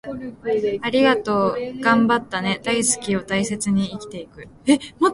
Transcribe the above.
『ありがとう』、『頑張ったね』、『大好き』を大切にして生きていく